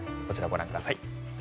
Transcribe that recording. こちらをご覧ください。